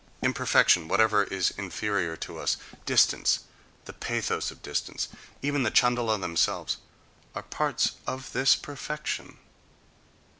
"Imperfection, whatever is inferior to us, distance, the pathos of distance, even the Chandala themselves are parts of this perfection."